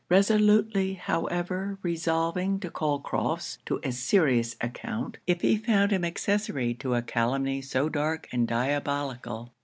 Resolutely however resolving to call Crofts to a serious account, if he found him accessory to a calumny so dark and diabolical.